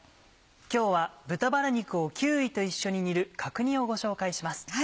今日は豚バラ肉をキーウィと一緒に煮る角煮をご紹介します。